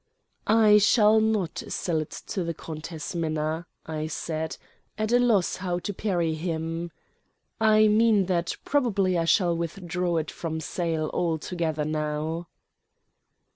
"I shall not sell it to the Countess Minna," I said, at a loss how to parry him. "I mean that probably I shall withdraw it from sale altogether now."